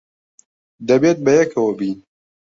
دەبێت بەیەکەوە بین.